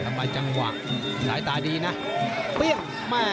ทำไมจังหวะสายตาดีนะ